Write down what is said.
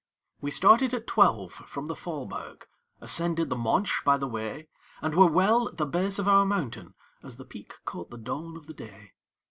We started at twelve from the Faulberg; Ascended the Monch by the way; And were well at the base of our mountain, As the peak caught the dawn of the day.